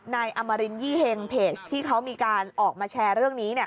นายอมรินยี่เฮงเพจที่เขามีการออกมาแชร์เรื่องนี้เนี่ย